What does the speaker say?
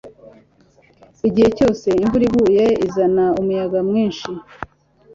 igihe cyose imvura iguye izana umuyaga mwinshi